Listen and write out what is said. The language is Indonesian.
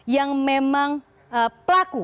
yang memang pelaku